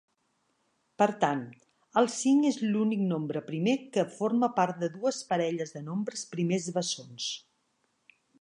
Per tant, el cinc és l'únic nombre primer que forma part de dues parelles de nombres primers bessons.